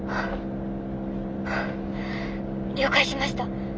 了解しました。